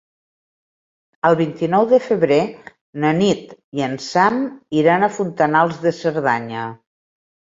El vint-i-nou de febrer na Nit i en Sam iran a Fontanals de Cerdanya.